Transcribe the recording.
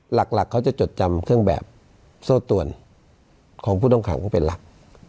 หลักเขาจะจดจำเครื่องแบบโซ่ตวนของผู้ต้องขังเป็นหลัก